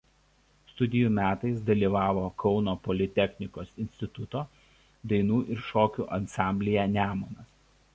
Studijų metais dalyvavo Kauno politechnikos instituto dainų ir šokių ansamblyje „Nemunas“.